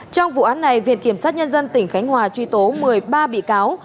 trong vụ án này viện kiểm sát nhân dân tỉnh khánh hòa truy tố một mươi ba bị cáo